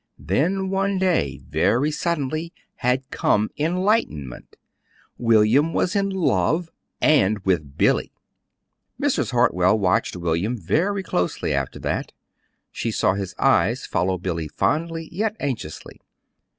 Then one day, very suddenly, had come enlightenment: William was in love and with Billy. Mrs. Hartwell watched William very closely after that. She saw his eyes follow Billy fondly, yet anxiously.